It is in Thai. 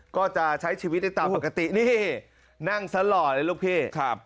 ก็จะใช้ชีวิตได้ตามปกตินี่นั่งซะหล่อเลยลูกพี่ครับ